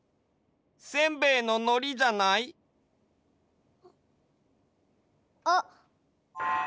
せんべいののりじゃない？あっ。